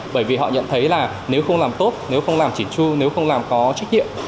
bởi vì họ nhận thấy là nếu không làm tốt nếu không làm chỉn chu nếu không làm có trách nhiệm